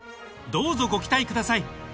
どうぞご期待ください